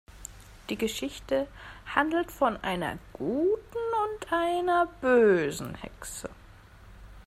Die Geschichte handelt von einer guten und einer bösen Hexe.